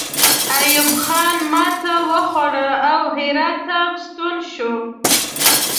ایوب خان ماته وخوړه او هرات ته ستون شو.